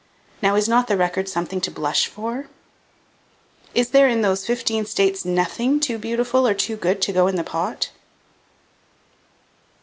Now, is not the record something to blush for? Is there in those fifteen states nothing too beautiful or too good to go into the pot?